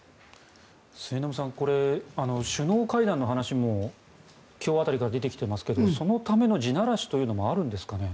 末延さん首脳会談の話も今日辺りから出てきていますがそのための地ならしというのもあるんですかね。